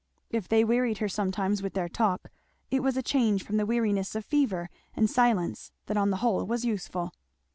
If they wearied her sometimes with their talk, it was a change from the weariness of fever and silence that on the whole was useful.